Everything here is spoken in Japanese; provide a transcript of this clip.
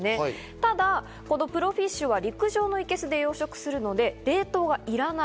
ただこのプロフィッシュは陸上の生けすで養殖するので、冷凍はいらない。